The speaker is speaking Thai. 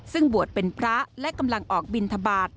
ซึ่งบวชเป็นพระและกำลังออกบินทบาท